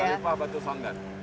kalifah batu songgan